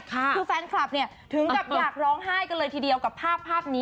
คือแฟนคลับเนี่ยถึงกับอยากร้องไห้กันเลยทีเดียวกับภาพนี้